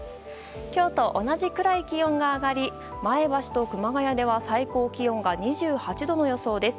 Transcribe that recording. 今日と同じくらい気温が上がり前橋と熊谷では最高気温が２８度の予想です。